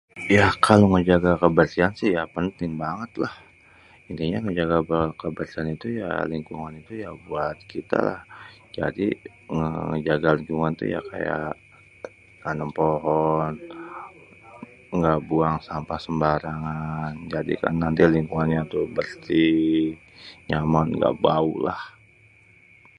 Ya kalu ngejaga kebersihan si ya penting banget lah. Intinya ngejaga kebersihan itu ya lingkungan ya buat kita lah jadi ngejaga lingkungan tuh ya kayak nanem pohon engga buang sampah sembarngan jadikan nanti lingkungannya tuh bersih nyaman ga bau lah.